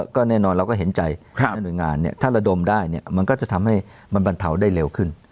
ก็แน่นอนเราก็เห็นใจในหน่วยงานถ้าระดมได้เนี่ยมันก็จะทำให้มันบรรเทาได้เร็วขึ้น